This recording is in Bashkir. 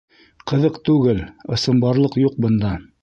Ҡыҙыҡ түгел, ысынбарлыҡ юҡ бында.